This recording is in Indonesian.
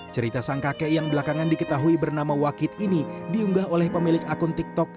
cerita sang kakek yang belakangan diketahui bernama wakit ini diunggah oleh pemilik akun tiktok